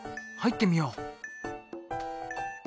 入ってみよう。